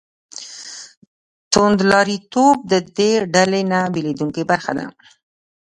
توندلاریتوب د دې ډلې نه بېلېدونکې برخه ده.